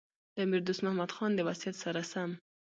د امیر دوست محمد خان د وصیت سره سم.